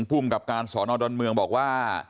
ภูมิกับการสอนอดอนเมืองบอกว่า